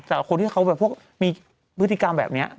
แต่คนที่เขาแบบพวกมีพฤติกรรมแบบนี้